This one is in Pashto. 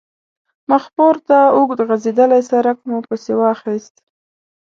مخپورته اوږد غځېدلی سړک مو پسې واخیست.